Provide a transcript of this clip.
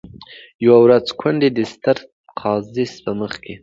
یوه ورځ ګوندي د ستر قاضي په مخ کي